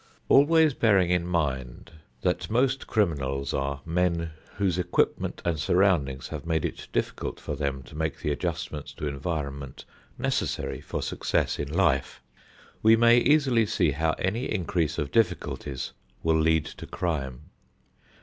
Always bearing in mind that most criminals are men whose equipment and surroundings have made it difficult for them to make the adjustments to environment necessary for success in life, we may easily see how any increase of difficulties will lead to crime.